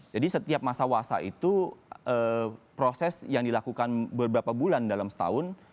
jadi setiap masa wasa itu proses yang dilakukan beberapa bulan dalam setahun